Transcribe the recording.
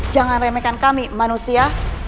jangan remekkan kami manusia